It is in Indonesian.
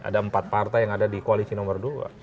ada empat partai yang ada di koalisi nomor dua